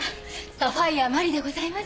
サファイア麻里でございます。